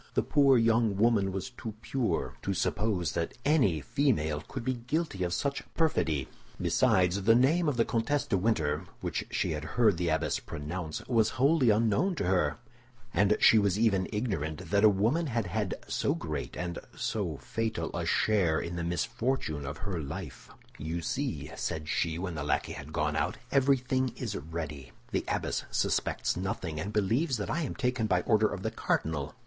The poor young woman was too pure to suppose that any female could be guilty of such perfidy; besides, the name of the Comtesse de Winter, which she had heard the abbess pronounce, was wholly unknown to her, and she was even ignorant that a woman had had so great and so fatal a share in the misfortune of her life. "You see," said she, when the lackey had gone out, "everything is ready. The abbess suspects nothing, and believes that I am taken by order of the cardinal.